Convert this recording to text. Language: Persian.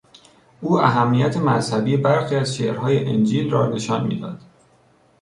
او اهمیت مذهبی برخی از شعرهای انجیل را نشان میداد.